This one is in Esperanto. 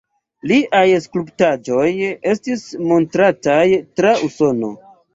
Liaj skulptaĵoj estis montrataj tra Usono.